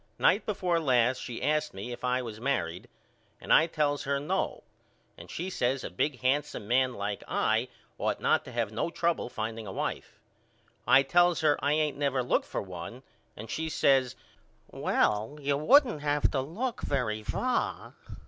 Night before last she asked me if I was married and I tells her No and she says a big handsome man like I ought not to have no trouble finding a wife. I tells her I ain't never looked for one and she says Well you wouldn't have to look very far.